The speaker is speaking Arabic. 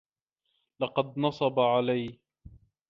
لقد نصبا عليّ.